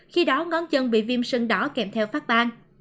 khi đó ngón chân bị viêm sng đỏ kèm theo phát bang